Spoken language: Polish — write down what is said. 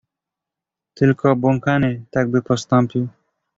"Tylko obłąkany tak by postąpił."